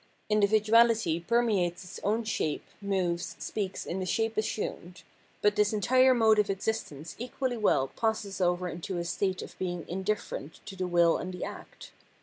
Individuality permeates its own shape, moves, speaks in the shape assumed ; but this entire mode of existence equally well passes over into a state of being indifferent to the will and the act.